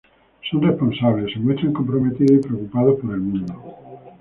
Son responsables, se muestran comprometidos y preocupados por el mundo.